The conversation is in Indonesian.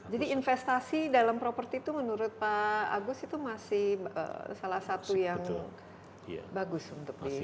jadi investasi dalam properti itu menurut pak agus itu masih salah satu yang bagus untuk di